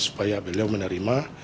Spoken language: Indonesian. supaya beliau menerima